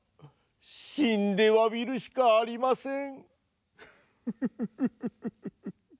しんでわびるしかありません。